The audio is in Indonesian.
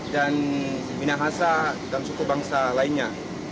dan minahasa dan suku bangsa lainnya